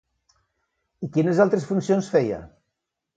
I quines altres funcions feia?